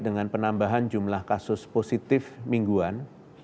dengan penambahan jumlah kasus positif mingguan